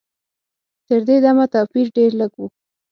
تر دې دمه توپیر ډېر لږ و.